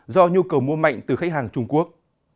do nhu cầu mua mạnh từ khách hàng trung quốc